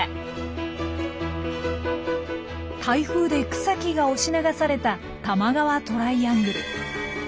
台風で草木が押し流された多摩川トライアングル。